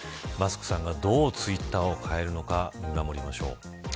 マスクさんがどうツイッターを変えるのか見守りましょう。